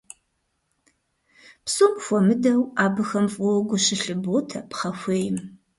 Псом хуэмыдэу абыхэм фӀыуэ гу щылъыботэ пхъэхуейм.